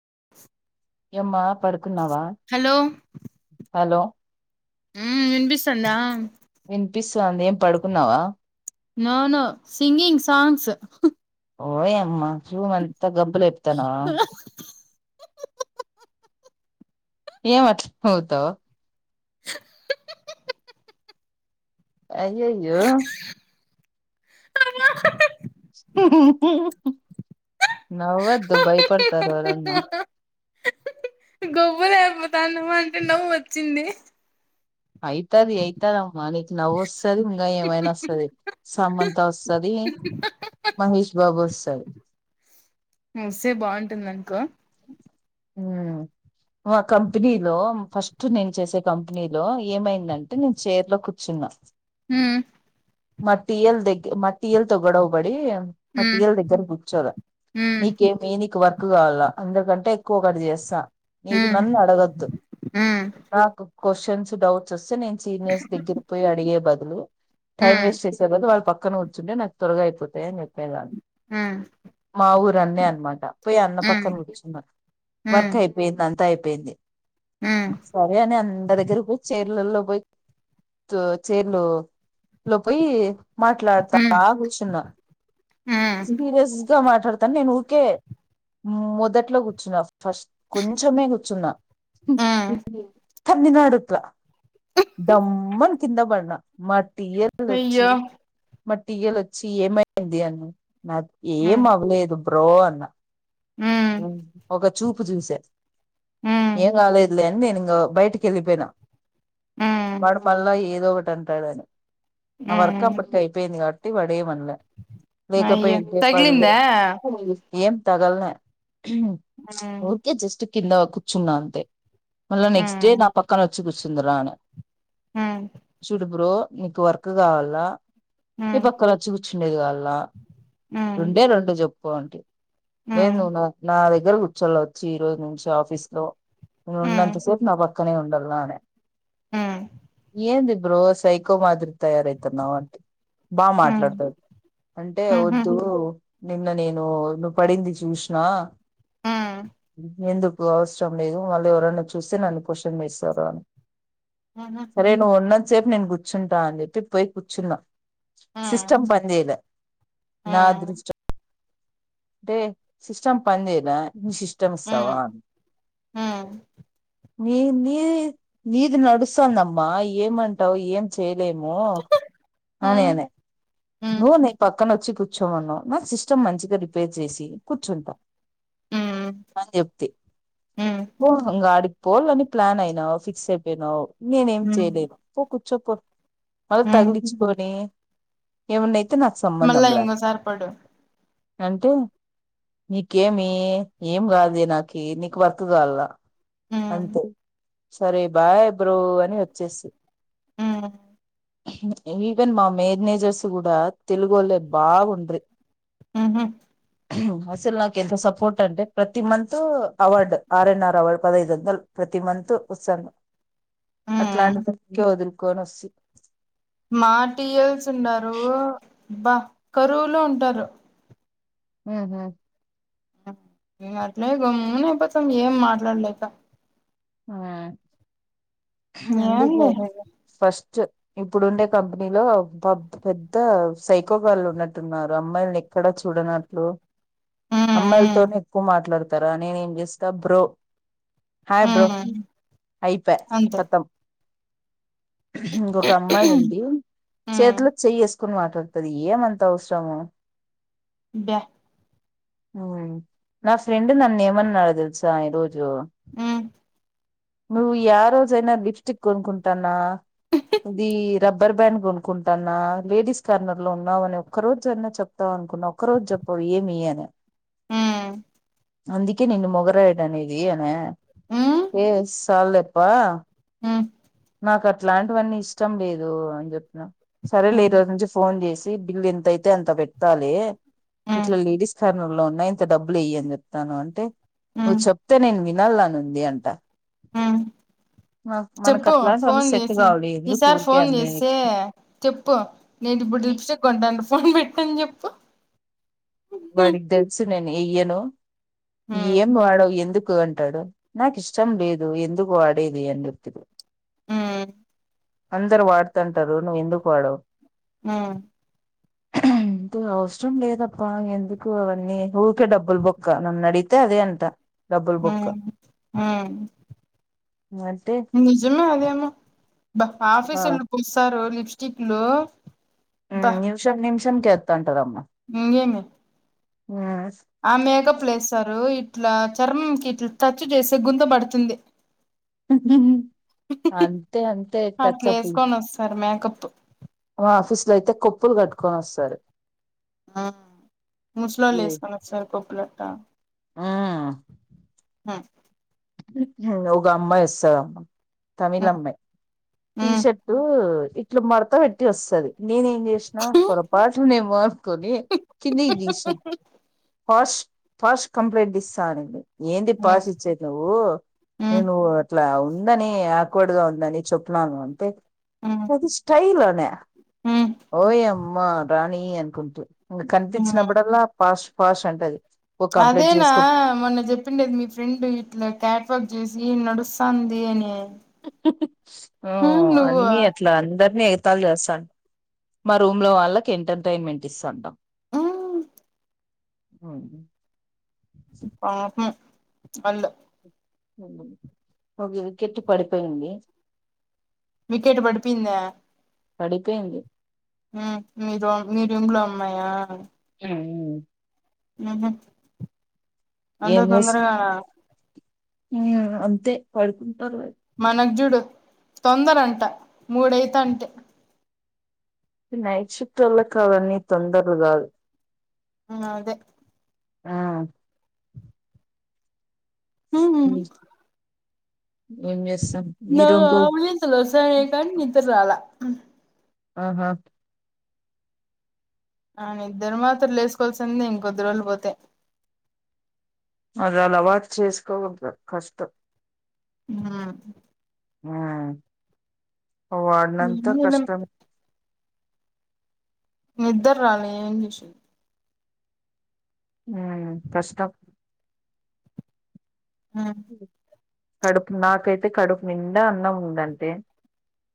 [unintelligible] ఎమ్మా పడు hello hello ఉమ్ వినిపిస్తంది ఆ వినిపిస్తుంది ఏం పడుకున్నావా నవును సింగింగ్ సాంగ్స్ హ్ ఓయమ్మా రూమ్ అంతా గంపులేపుతానావా ఏమట్ల నవతవ్ [unintelligible] అయ్యాయో అ [unintelligible] నవ్వద్దు భయపడతారు ఎవరన్నా గొబ్బుర అయిపోతా నువ్ అంటే నవ్వు వచ్చింది. అయితది అయితదమ్మా నీకు నవ్వు వస్తది ఇంకా ఏమైనా వస్తంది సమంత వస్తుంది. మహేష్ బాబు వస్తడు. వస్తే బాగుంటుంది అనుకో మ్ మా కంపెనీలో ఫస్ట్ నేను చేసే కంపెనీలో ఏమైందంటే నేను చైర్ లో కూర్చున్నా హ్మ్ మత్ ఏల్ దగ్ మత్ ఏల్ తో గోడవ బడి మ్మ్ మటియుల్ దగ్గర గుచ్చద నీకేమి నీక్ వర్త్ ఎక్కువ కావాల అందరికంటే ఎక్కువ ఒకటి చేస్తా ఈగ మ్మ్ నన్న అడగద్దు మ్మ్ నాకు క్వశ్చన్స్ డౌట్స్ వస్ నేను సీనియర్స్ దగ్గర పోయి అడిగే బదులు హలో టైమ్ మ్మ్ వేస్ట్ చేసేవాళ్ళు వల్ల పక్క పక్కన వచ్చుంటే నాకు త్వరగా అయిపోతా అని చెప్పేదాన్ని మ్మ్ మా ఊరన్నే అనమాట పోయి అన్న మ్మ్ పక్కన కూచన్నా మ్మ్ వర్క్ అయిపోయింది అంతా అయిపోయింది. మ్మ్ మ్మ్ ఎది సరే అని అందరి దగ్గరకి పోయి చేరుత్ లల్లో పోయి చేర్లు లోపోయి మాట్లాడతవ మ్మ్ కూర్చున్నా మ్మ్ సీరియిస్ గా మాట్లాడతాన్ నేను ఊరికే మొదట్లో కూర్చున్నావ్ ఫస్ కొంచమే గు చ్చున్నా ఉమ్ మ్మ్ ఉండే తన్నినాడు ఇట్లా ధమ్మన్ అని కింద పడిన మట్ టీఎల్ వచ్చి అయ్యో మట్టి ఇయాల్ వచ్చి ఏమయింది అను నాకు ఏం మ్మ్ అవ్వలేదు బ్రో అన్ ట మ్మ్ ఒక చూపు చూశా మ్మ్ ఏం కాలేదు లే నేను ఇంకా మ్మ్ వాడు మళ్ళ ఏదో ఒక అంటాడు అని ఆ వర్క్ మ్మ్ అప్పటికి అయిపోయింది కాబట్టి ట్టి ఏం అనలే అయ్యో లేకపోయుంటే తగిలిందా [unintelligible] తగల్లే మ్మ్ ఓకే, జస్ట్ కింద కూర్చున్నా అంతే మళ్లా నెక్స్ట్ డే మ్మ్ నా పక్కనోచ్చి కూచ్చ చుందురా అని మ్మ్ చుడు బ్రో నీకు వర్క్ కావాలా ఈ మ్మ్ పక్కల వచ్చి కూర్చుండేది కావాల్లా మ్మ్ రెండే రెండు చెప్పు పో అంటి లేదు నువ్వు నా నా దగ్గర కూర్చోవాల వచ్చి ఈ రోజు నుంచి ఆఫీస్ లో నువ్వు ఉన్నంతసేపు నా పక్ పక్కనే ఉండాల్నా అనే ఏంది బ్రో, సైకో మాదిరి తయారవుతున్నావ్ అంటి బా మాట్లాడుతాడు అంటే వద్దు నిన్న నేను నువ్వు పడింది చూసిన ఎందు కు అవసరం లేదు మళ్ళీ ఎవరైనా చూస్తే నన్ను క్వశ్చన్ వేస్తారు అని సరే నువ్ ఉన్న సేపు నేను కూర్చుంటా అని చెప్పి పోయి కూర్చున్నా సిస్టమ్ పనిచేయలే నా అదృష్టం టే సిస్టమ్ పనిచేయలే నీ సిస్టమ్ ఇస్తావా అన్న నీ నీది నీది నడుస్తాందమ్మ ఏమంటావు ఏం చే లేము అనే అనే ను న పక్కన వచ్చి పచ్చ కూర్చోమన్నా నా సిస్టమ్ మంచిగా రిపేర్ చేసి కూర్చుంటాం అ చెప్తే ఓంగ అడి పోని ప్లాన్ అయినావు ఫిక్స్ అయిపోయినా్ నేనేం చేయలేదు ఒక చెొప్పు మళ తగిలించి పోనీ ఏముండైతే మళ్ళా ఇంగో సపడు అంటే నీకేమి ఏం కాదు నాకి నీకు భర్త కాాల అంతే సరే బాయ్ బ్రో అని వచ్చేసి ఆ ఈవెన్ మా మేర్నేజర్స్ కూడా తెలుగు వాళ్లే బావుండ్రి ఆహ అసలు నాకు ఎంత సపోర్ట్ అంటే ప్రతి month award R N R award పదహైదు వందలు ప్రతి మంత్ పుత్సంగం అట్లాంటి సంకే వదులు కోనసి మాటియల్స్ స్తున్నారుారు బా కరువులో ఉంటారు హ్మ్మ్ ఇ అట్లేమ్ నపోతేం ఏం మాట్లాడలేక ఆ ఏం అందుక చేసేది ఫస్ట్ ఇప్పుడు ఉండే కంపెనీలో పెద్ద సైకోకాల్లు ఉన్నట్టున్నారు అమ్మాయిల్ని ఎక్కడ చూడనట్లు అమ్మాయిలతోనే ఎక్కువ మాట్లాడతారా నేను ఏం చేస్తా బ్రో హయ బ్రో అయిప అంతే కతం ఇంకొక అమ్మాయి ఉంది చేతిలో చెయేస్త చకుని మాట్లాడుతుంది ఏమంత అవసరము బ హ నా ఫ్రెండ్ నన్న ఏమన్నా నాడ తెలుసా ఈ రోజు ఆ నువ్వు ఏ రోజైనా లిప్స్టిక్ కొనుక్కుంటాన్నా ఇది రబ్బర్ బ్యాండ్ కొనుక్కుంటాన్నా లేడీస్ కార్నర్ లో ఉన్నావు అని ఒక్క రోజ అయినా చెప్తావు అనుకున్నావు ఒకక్క రోజు చెప్పవు ఏమి అని హ్మ్మ్ అందుికే నిన్న మొగర ఇడనే ఇది అన హ్మ్మ్ ఎమ్ సాల్లేప్పా హు నాకు అట్లాంటివన్నీ ఇష్టం లేదు అన్ చెప్ సరేలే ఈ మ్మ్ రోజు నుంచి ఫోన్ చేసి బిల్లు ఎంతయితే అంత పెట్టాలి మ్మ్ ఇట్లా లేడిస్ కార్ ను లో ఉన్నాయి నైన్త్ డబ్బులు ఇయ్యని చెప్తాను అంటే నువ్ మ్మ్ చెప్తతే నేన్ వి ళ్లానుంది అంట మ్మ్ ఆ మనక చెప్పు ఫోన్ చేసి ఈసారి ఫోన్ చేస్తే చెప్పు నేను ఇప్పుడు ్రిప్స్టెక్ కొంటాడ్ ఫోన్ పెట్టాని చెప్పు వాడికీ తెలుసు నిను ఎయ్యను మ్మ్ ఏం వాడవ్ ఎందుక్ కు అంటాడు నాకు ఇష్టం లేదు ఎందుకు ఆడేది అని చెప్పడు హు అందరు వాడతంటారు నువ్వు ఎందుకు వాడవు హ ఇంత అవసరం లేదప్ బా ఎందుకు అవన్నీ ఊరికే డబ్బులు బొక్క నన్ను అడితే అదే అంట డబ్బులు బొక్క ఆ మ్ అంటే నిజమే అదేమో ఆఫీసొళ్ళు పుస్తారు లిప్ స్టిక్లు హు నిమిషం నిమిష షం కెత్త ఇంగెమి ఆ ఆ మెకాప్లేస్తారు ఇ ఇట్లా చర్మంకి ఇట్లా టచ్ చేస్తే గుంత పడుతుంది అంతే అంతే టచ్ అప్ ప్పు మా ఆఫీస్ లో అయితే కొప్పులు కట్టుకొని వస్తారు ఆ ముసులోళ్లేస్కొని వస్తారు కొప్పులట్టా హు మ్ హు మ్ ఒగమ్మాయి ఒస్సదమ్మ తమిళ్ మ్మ్ అమ్మాయ్ మ్మ్ టీషర్టు ఇట్లు మడ్త పెట్టి వస్తది. నేనేం చేసిన హ్మ్ పొరపాట్లు నేన్ కొని కిందికి తీస్న పాష్ ఫాస్ట్ కంప్లైంట్ ఇస్తా అనింది. ఏంది పాస్చ్చేది. ఓ హ్మ్ నేను చెప్పు ఇట్లా ఉందని అక్వార్డ్గా ఉందని చెప్పినాను అంతే హ్మ్ అది స్టైల్ న్య హ్మ్ ఓయమ్ అమ్మా రాణి అన్కుంటు హ్మ్ కన్పించినప్పుడల్లా పాష్ ఫాస్ట్ అంటది. ఓ కంప్లీట్ అదేనా చేసుకో మొన్న చెప్పిండేది మీ ఫ్రెండ్ ఇట్ల క్యాట్వాక్ చేసి నడుస్తాంది అని హ ఉమ్ నువ్వు అన్నీ అట్ల అందర్ని ఎ [unintelligible] మా రూమ్లో వాళ్ళక్ ఎంటర్టైమెంట్ ఇస్తాంటం. ఆ అవునా పాపం అల్ ఒక వికెట్ పడిపోయింది. వికెట్ బడపెయిందా పడిపోయింది. ఆ మీ [unintelligible] అమ్మాయా ఆ నమ్మం. అంత తొందర్గానా హ్మ్ అంతే పాడ్ మనకు జూడు తొందర అంట మూడు అంతంటే నైట్ షిఫ్ట్ ఓలకి అవని తొందరరూ కాదు ఆ అదే ఆ హమ్ ఏం చేస్తున్నావ్ నాకు అవలింతలు ఇస్తాయి కానీ నిద్ర రల అన్ ఆహా ఆని ఇద్దరు మాత్ర లేసుకోవాల్సింది ఇంకొద్దిరోళ్ళు పోతే అది వాళ్ళు అవాటు చేసుకోకదు కష్టం ఆ హా అఓ వాడినంత ఏం కష్టం నిద్దరు రాల ఏం చేసింది హ్మ్మ్ కష్టం ఆ కడుపు నాకైతే కడుపు నిండా అన్నం ఉందంటే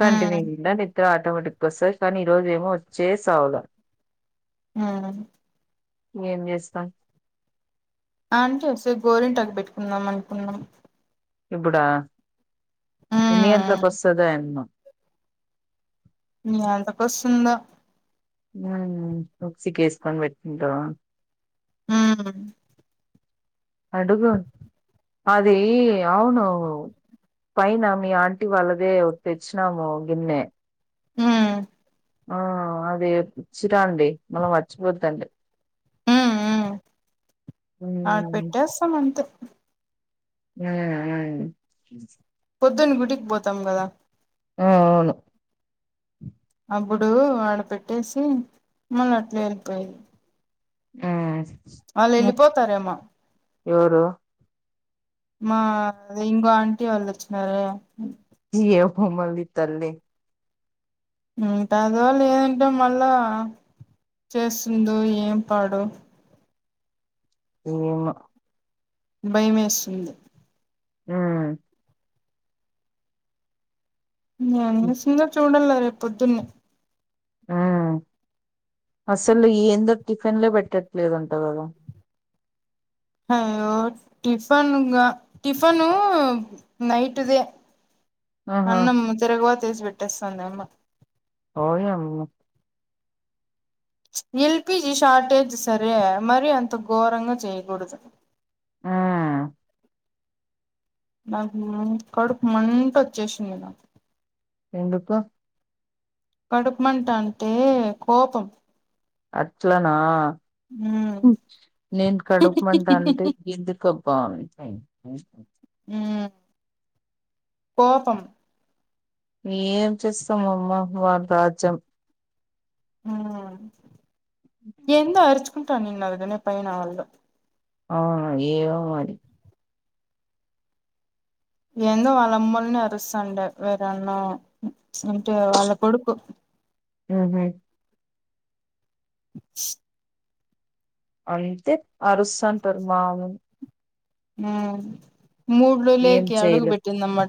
కంటి మీ ఉమ్ ద నీతే ఇ ఆటోమేటిక్గా వస్తుంది కానీ ఈరోజ ఏమో వచ్చే సావులు ఆ ఎం చేస్తాం అంటే వసే గోరింటకి పెట్టుకుందాం అనుకున్నాం ఇప్పుడా ఇన్ని గంట ల్లో కో ఉమ్ వస్తదో ఏమో మీ అంత కోస్తుంద ఉ బక్సికేసుకొని పెట్టింటావా హ్మ్మ్ అడుగు అది అవును పైన మీ ఆంటీ వాళ్ళదే తెచ్చినాము గిన్నె ఉమ్ ఆ అదిచ్చరాండి మళ్ళం మర్చిపోద్దండి హ్మ్మ్ ఆడు మ్మ్ పెట్టేస్తాం అంతే హ్మ్ పొద్దున్న గుడికి పోతాం కదా ఆ అవును అప్పుడు వాడ పెట్టేసి మళ్ళీ అట్లే వెళ్ళిపోయది హ్మ్మ్ ఆళ్ళు ఎళ్ళిపోతారేమో ఎవరు మా ఇంకో ఆంటీ వాళ్ళు వచ్చినారే హమలి తల్లి ఉంటాదో లేదంటే మల్ల చేస్తుందో ఏం పాడో ఏన్న భయమేస్తుంది ఊమ్ న సింగర్ చూడంలే రేపుొద్దున్నే హ్మ్మ్ అసలు ఏందో టిఫిన్ లో పెట్టట్లేదంట గదా హ టిఫన్గా టిఫను నైటుదే ఆహా అన్నమ్ తిరగమాత ఏసి పెట్టు తెస్తాందమ్మ ఓయమ్మో ఎల్పీజీ షార్టేజ్ సరే మరి అంత ఘోరంగా చేయకూడదు ఆ నాకు కడుపు మంట వచ్చేసింది నాకు ఎందుకు కడుపు మంట అంటే కోపం అట్లనా ఉమ్ ఊహ్మ్ నేను కడుపు మంట అంటే గిందుకో [unintelligible] ఊమ్ కోపం ఏం చేస్తామమ్మ వాళ్ళ రాజ్యం ఊమ్ ఎంత అరుచు అంట నేను ఆ విధంగా పైన వాళ్ళు ఆ ఏమో మరి ఏందో వాళ్ళ అమ్మల్ని అరుస్తండి వేరన్నో ప్చ్ అంటే వాళ్ళ కొడుకు ఊహ్మ్ [unintelligible] అంటే అరుస్తాంటరు మాము ఊమ్ మూడ్లు ఏం లేకి అడుగు చేయలేం పెట్టిందమ్మా